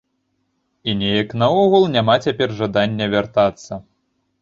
І неяк наогул няма цяпер жадання вяртацца.